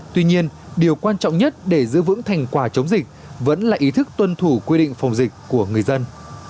tuy nhiên điều quan trọng nhất để giữ vững thành quả chống dịch vẫn là ý thức tuân thủ quy định phòng dịch của người dân